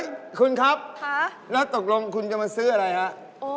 เฮ่ยคุณครับแล้วตกลงคุณจะมาซื้ออะไรครับ